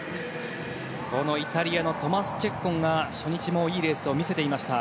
このイタリアのトマス・チェッコンが初日もいいレースを見せていました。